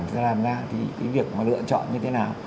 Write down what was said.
sẽ làm ra thì cái việc mà lựa chọn như thế nào